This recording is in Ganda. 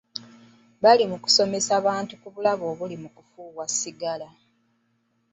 Bali mu kusomesa bantu ku bulabe obuli mu kufuuwa sigala.